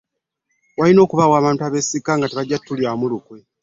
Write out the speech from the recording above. Walina okubaawo abantu abeesigika nga tebajja kutulyamu nkwe.